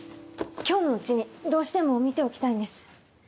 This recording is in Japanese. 今日のうちにどうしても見ておきたいんです。